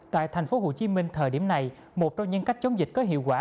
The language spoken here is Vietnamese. tại thành phố hồ chí minh thời điểm này một trong những cách chống dịch có hiệu quả